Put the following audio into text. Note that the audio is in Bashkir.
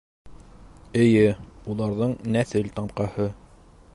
Эйе, уларҙың нәҫел тамғаһы.